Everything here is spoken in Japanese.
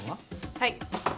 はい。